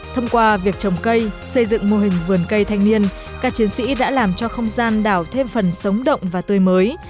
thông qua việc trồng cây xây dựng mô hình vườn cây thanh niên các chiến sĩ đã làm cho không gian đảo thêm phần sống động và tươi mới